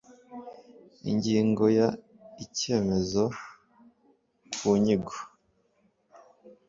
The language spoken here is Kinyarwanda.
ingingo ya icyemezo ku nyigo